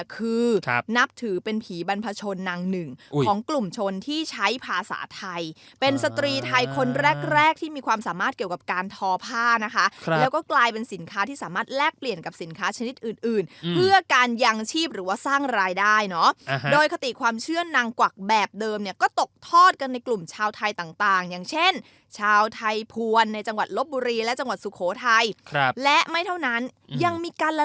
ของกลุ่มชนที่ใช้ภาษาไทยเป็นสตรีไทยคนแรกแรกที่มีความสามารถเกี่ยวกับการทอผ้านะคะครับแล้วก็กลายเป็นสินค้าที่สามารถแลกเปลี่ยนกับสินค้าชนิดอื่นอื่นอืมเพื่อการยังชีพหรือว่าสร้างรายได้เนอะอ่าฮะโดยคติความเชื่อนนางกวักแบบเดิมเนี้ยก็ตกทอดกันในกลุ่มชาวไทยต่างต่าง